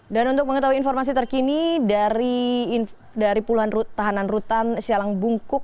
dan untuk mengetahui informasi terkini dari puluhan tahanan rutan sialang bungkuk